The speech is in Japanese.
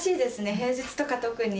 平日とか特に。